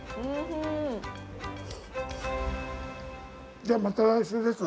◆じゃ、また来週です。